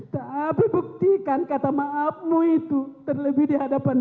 tapi buktikan kata maafmu itu terlebih di hadapanmu